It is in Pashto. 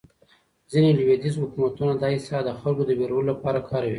ځینې لویدیځ حکومتونه دا اصطلاح د خلکو د وېرولو لپاره کاروي.